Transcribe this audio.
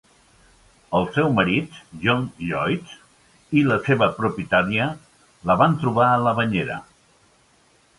El seu marit, John Lloyd, i la seva propietària la van trobar a la banyera.